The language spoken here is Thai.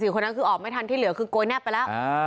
คนนั้นคือออกไม่ทันที่เหลือคือโกยแนบไปแล้ว